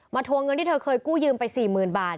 ทวงเงินที่เธอเคยกู้ยืมไป๔๐๐๐บาท